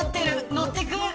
乗ってく。